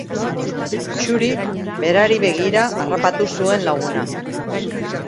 Xurik berari begira harrapatu zuen laguna.